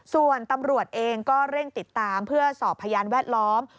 ส่วนตำรวจเองก็เร่งติดตามเพื่อสอบพยานแวดล้อม